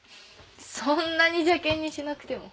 そんなに邪険にしなくても。